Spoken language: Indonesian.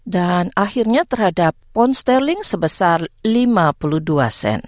dan akhirnya terhadap pound sterling sebesar lima puluh dua sen